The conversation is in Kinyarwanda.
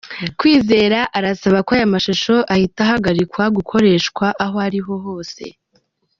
Kwizera arasaba ko aya mashusho ahita ahagarikwa gukoreshwa aho ari ho hose.